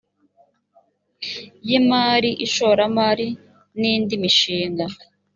y imari ishoramari n indi mishinga